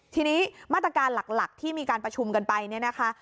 ทีนี้มาตรการหลักที่มีการประชุมกันไปเนี่ยนะคะ